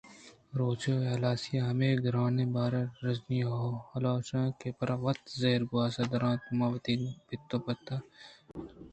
روچ ءِ ہلاسی ءَ ہمے گرٛانیں بار ءِ ژندی ءِ ہلاہوش ءَ آئی ءَ پر وت زہر گِران ءَ درّائینت من وتی پت ءِ بابت ءَ ردوارتگ اَت